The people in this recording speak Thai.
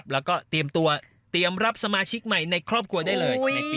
แล้วก็เตรียมรับสมาชิกใหม่ในครอบครัวได้เลย